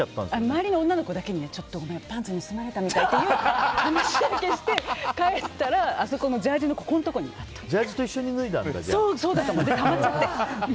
周りの女の子だけにちょっとごめんパンツ盗まれたみたいっていう話だけして、帰ったらジャージーのここのところにあった。